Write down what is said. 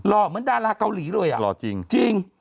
หล่อเหมือนดาราเกาหลีด้วยหล่อจริงจริง